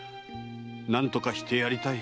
「何とかしてやりたい。